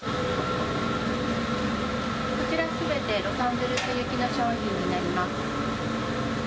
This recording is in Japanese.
こちら、すべてロサンゼルス行きの商品になります。